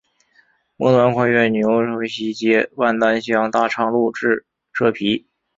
末端跨越牛稠溪接万丹乡大昌路至社皮。